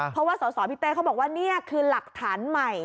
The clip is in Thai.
เพราะว่าสสพี่เต้เขาบอกว่านี่คือหลักฐานใหม่